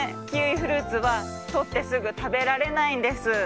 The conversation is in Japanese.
キウイフルーツはとってすぐたべられないんです。